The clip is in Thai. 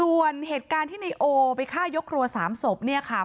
วันเหตุการณ์ที่เนโอไปฆ่ายกโรโหสามศพเนี่ยค่ะ